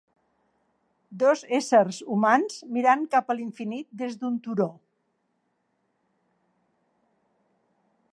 Dos éssers humans mirant cap a l'infinit des d'un turó.